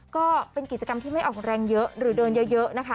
ก็เป็นกิจกรรมที่ไม่ออกแรงเยอะหรือเดินเยอะนะคะ